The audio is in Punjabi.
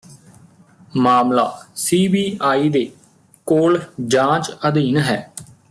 ਮਾਮਲਾ ਸੀਬੀਆਈ ਦੇ ਕੋਲ ਜਾਂਚ ਅਧੀਨ ਹੈ